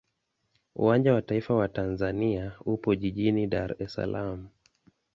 Uwanja wa taifa wa Tanzania upo jijini Dar es Salaam.